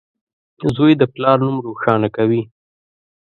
• زوی د پلار نوم روښانه کوي.